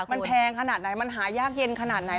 มันแพงขนาดไหนมันหายากเย็นขนาดไหน